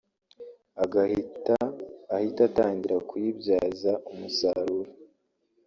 agahita ahite atangira kuyibyaza umusaruro